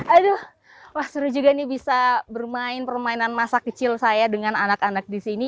aduh wah seru juga nih bisa bermain permainan masa kecil saya dengan anak anak di sini